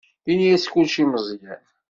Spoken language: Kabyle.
Ini-as kullec i Meẓyan.